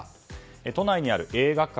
都内にある映画館